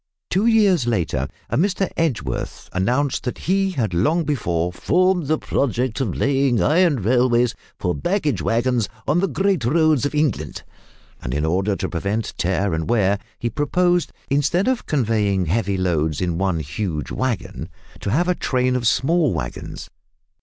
Two years later a Mr Edgeworth announced that he had long before, "formed the project of laying iron railways for baggage waggons on the great roads of England," and, in order to prevent tear and wear, he proposed, instead of conveying heavy loads in one huge waggon, to have a train of small waggons.